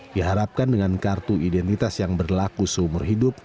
diharapkan dengan kartu identitas yang berlaku seumur hidup